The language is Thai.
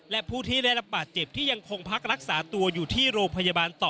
และผู้ที่ได้รับบาดเจ็บที่ยังคงพักรักษาตัวอยู่ที่โรงพยาบาลต่อ